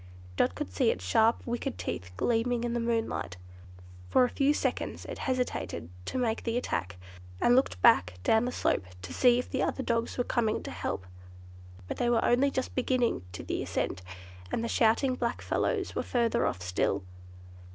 Dot could see its sharp, wicked teeth gleaming in the moonlight. For a few seconds it hesitated to make the attack, and looked back down the slope, to see if the other dogs were coming to help; but they were only just beginning the ascent, and the shouting black fellows were further off still.